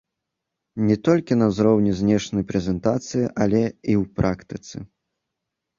Не толькі на ўзроўні знешняй прэзентацыі, але і ў практыцы.